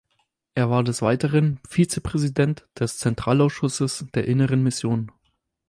Er war des Weiteren Vizepräsident des Zentralausschusses der Inneren Mission.